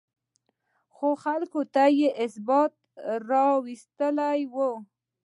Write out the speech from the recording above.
خو خلکو ته یې ثبات راوستی و